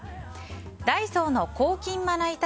ダイソーの抗菌まな板